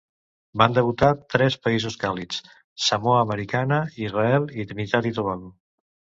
Van debutar tres "països càlids": Samoa Americana, Israel i Trinitat i Tobago.